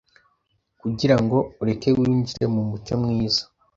kugirango ureke winjire mumucyo mwiza